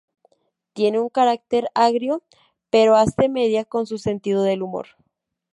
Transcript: Tiene un carácter agrio pero hace media con su sentido del humor.